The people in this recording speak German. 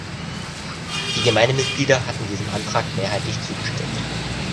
Die Gemeindemitglieder hatten diesem Antrag mehrheitlich zugestimmt.